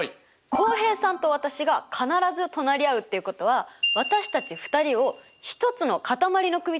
浩平さんと私が必ず隣り合うっていうことは私たち２人を１つのかたまりの組として考えてみませんか！